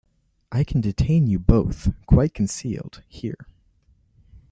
I can detain you both, quite concealed, here.